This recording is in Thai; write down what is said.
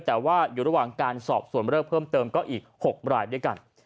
แต่ว่าอยู่ระหว่างการสอบส่วนเลิกเพิ่มเติมก็อีก๖รายด้วยกัน